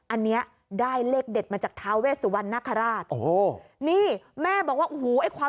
อันนี้ได้เลขเด็ดมาจากทาวเวสวรรณคราช